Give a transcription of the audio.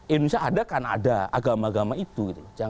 indonesia ada karena ada agama agama itu